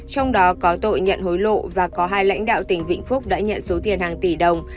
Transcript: trong đó có tội nhận hối lộ và có hai lãnh đạo tỉnh vĩnh phúc đã nhận số tiền hàng tỷ đồng